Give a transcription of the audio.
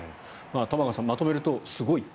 玉川さんまとめると、すごいと。